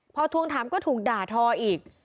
พอทวงถามก็ถูกด่าทออีก